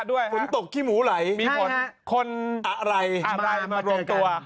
ด้วยฮะฝุนตกขี้หมูไหลมีผ่อนคนอะไรมารวมตัว